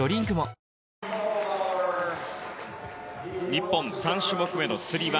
日本、３種目めのつり輪。